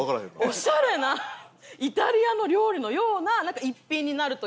オシャレなイタリアの料理のような一品になるというか。